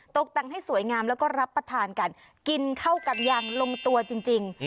ตกแต่งให้สวยงามแล้วก็รับประทานกันกินเข้ากันอย่างลงตัวจริง